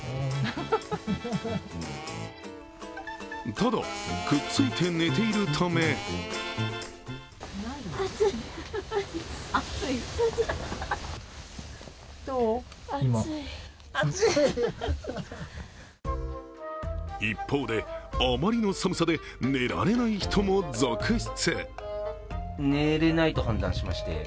ただ、くっついて寝ているため一方で、あまりの寒さで寝られない人も続出。